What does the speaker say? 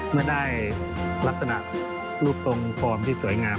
เมื่อได้ลักษณะรูปทรงฟอร์มที่สวยงาม